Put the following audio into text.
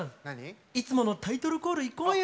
いつものタイトルコールいこうよ！